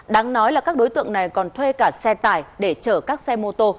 đáng nói là các đối tượng này còn thuê cả xe tải để chở các xe mô tô